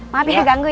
maaf ya ganggu ya